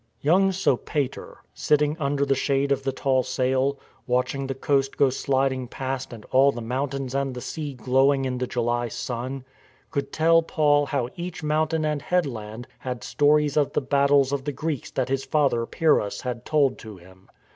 Young Sopater, sitting under the shade of the tall sail, watching the coast go sliding past and all the mountains and the sea glowing in the July sun, could tell Paul how each mountain and headland had stories of the battles of the Greeks that his father Pyrrhus had told to him.